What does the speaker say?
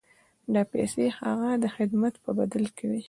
دا پیسې د هغه د خدمت په بدل کې وې.